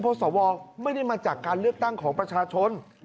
เพราะสวไม่ได้มาจากการเลือกตั้งของประชาชน